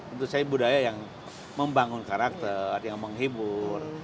untuk saya budaya yang membangun karakter yang menghibur